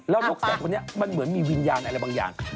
หนกแสกคนนี้มันเหมือนมีวิญญาณอะไรบางอย่าง